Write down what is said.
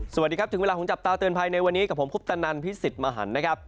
สวัสดีครับถึงเวลาของจับตาเตือนภัยในวันนี้กับผมคุปตนันพิสิทธิ์มหันนะครับ